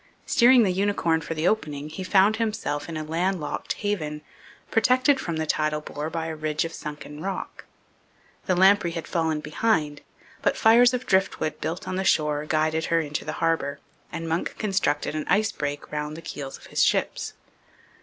Steering the UNICORN for the opening, he found himself in a land locked haven, protected from the tidal bore by a ridge of sunken rock. The LAMPREY had fallen behind, but fires of driftwood built on the shore guided her into the harbour, and Munck constructed an ice break round the keels of his ships.